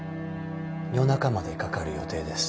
夜中までかかる予定です。